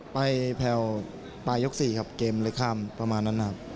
แผลวปลายยก๔ครับเกมเลยข้ามประมาณนั้นนะครับ